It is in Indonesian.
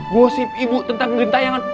gosip ibu tentang gentayangan